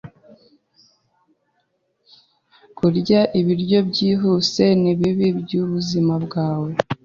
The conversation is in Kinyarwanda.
Kurya ibiryo byihuse nibibi byubuzima bwawe.